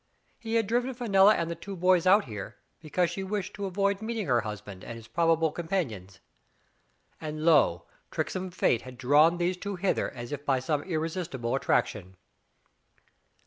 He had driven Fenella and the two boys out here, because she wished to avoid meeting her husband and his probable compan ion. And, lo! tricksome fate had drawn these two hither as by some irresistible attraction.